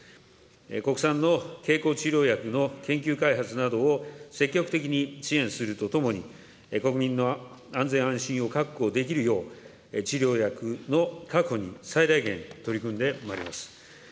国産の経口治療薬の研究開発などを積極的に支援するとともに、国民の安全安心を確保できるよう、治療薬の確保に最大限取り組んでまいります。